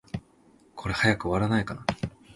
これ、早く終わらないかな。